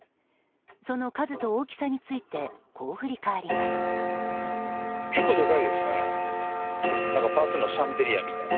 その数と大きさについてこう振り返ります。